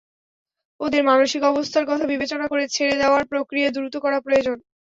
ওদের মানসিক অবস্থার কথা বিবেচনা করে ছেড়ে দেওয়ার প্রক্রিয়া দ্রুত করা প্রয়োজন।